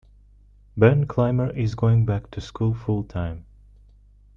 Ben Clymer is going back to school full-time.